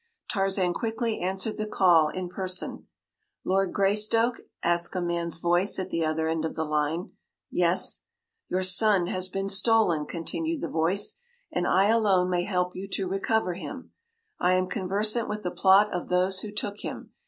Tarzan quickly answered the call in person. “Lord Greystoke?” asked a man’s voice at the other end of the line. “Yes.” “Your son has been stolen,” continued the voice, “and I alone may help you to recover him. I am conversant with the plot of those who took him.